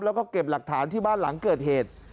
แล้วก็เก็บหลักฐานที่บ้านหลังเกิดเหตุ